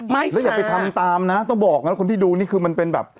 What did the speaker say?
แล้วอย่าไปทำตามนะต้องบอกนะคนที่ดูนี่คือมันเป็นแบบ